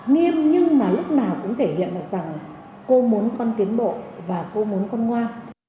nghiêm nhưng mà lúc nào cũng thể hiện được rằng cô muốn con tiến bộ và cô muốn con ngoan